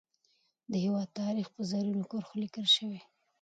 د هیواد تاریخ په زرینو کرښو لیکل شوی.